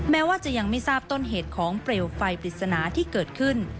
แม้ว่าจะยังไม่ทราบต้นเหตุของเปลวไฟปริศนาที่เกิดขึ้น